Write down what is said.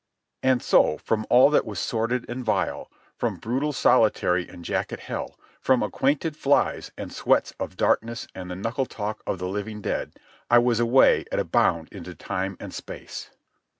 And so, from all that was sordid and vile, from brutal solitary and jacket hell, from acquainted flies and sweats of darkness and the knuckle talk of the living dead, I was away at a bound into time and space.